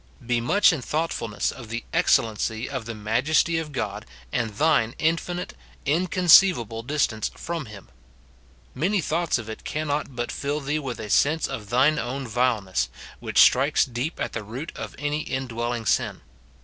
Be much in thoughtfulness of the excellency of the majesty of God and thine infinite, inconceivable distance from him. Many thoughts of it cannot but fill thee with a sense of thine own vileness, which strikes deep at the root of any indwelling sin.